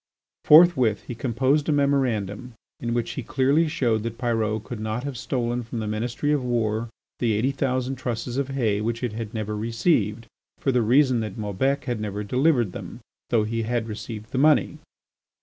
Forthwith he composed a memorandum in which he clearly showed that Pyrot could not have stolen from the Ministry of War the eighty thousand trusses of hay which it had never received, for the reason that Maubec had never delivered them, though he had received the money.